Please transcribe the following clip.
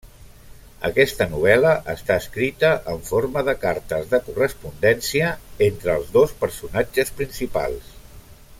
Aquesta novel·la està escrita en forma de cartes, de correspondència, entre els dos personatges principals.